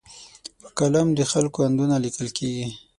په قلم د خلکو اندونه لیکل کېږي.